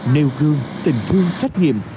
nêu gương tình thương khách nghiệm